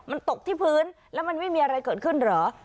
มันตกที่พื้นแล้วมันไม่มีอะไรเกิดขึ้นเหรอ